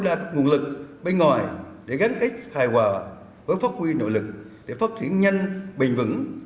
đa các nguồn lực bên ngoài để gắn kết hài hòa với phát huy nội lực để phát triển nhanh bình vững